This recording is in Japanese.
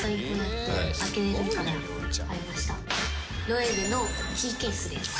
ロエベのキーケースです。